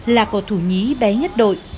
là cậu thủ nhí bé nhất đội